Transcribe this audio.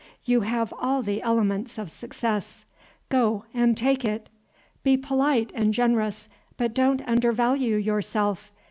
You have all the elements of success; go and take it. Be polite and generous, but don't undervalue yourself.